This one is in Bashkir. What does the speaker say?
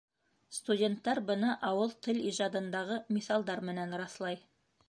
Студенттар быны ауыҙ-тел ижадындағы миҫалдар менән раҫлай.